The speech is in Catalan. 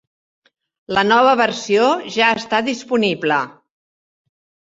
La nova versió ja està disponible.